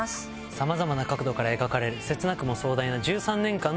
さまざまな角度から描かれる切なくも壮大な１３年間のストーリー。